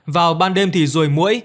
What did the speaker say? vào ban đêm thì rùi mũi